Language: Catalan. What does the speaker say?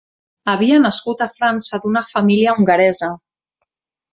Havia nascut a França d'una família hongaresa.